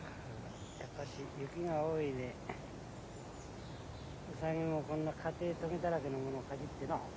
やっぱし雪が多いでウサギもこんなかてえトゲだらけのものをかじってのう。